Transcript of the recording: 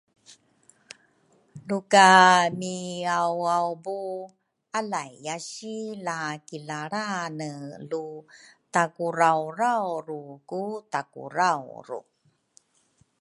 luka miauaubu alaiyasi la kilalrane lu takuraurauru ku takurauru